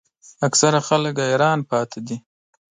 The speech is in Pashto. اکثره خلک حیران پاتې دي.